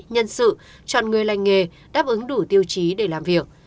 nhân sự chọn người lành nghề đáp ứng đủ tiêu chí để làm việc